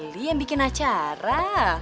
lo yang bikin acara